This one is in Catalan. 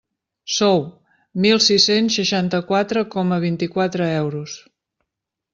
Sou: mil sis-cents seixanta-quatre coma vint-i-quatre euros.